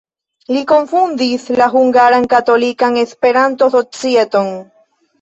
Li kunfondis la Hungaran Katolikan Esperanto-Societon.